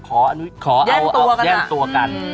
ใครก็จะขอย่างตัวกัน